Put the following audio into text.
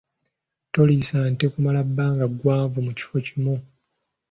Toliisa nte kumala bbanga ggwanvu mu kifo kimu.